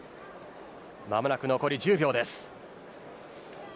間もなく残り１０秒です。